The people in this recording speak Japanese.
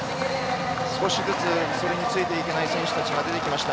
少しずつそれについていけない選手たちが出てきました。